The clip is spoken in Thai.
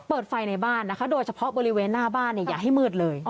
เปิดไฟในบ้านนะคะโดยเฉพาะบริเวณหน้าบ้านเนี่ยอย่าให้มืดเลย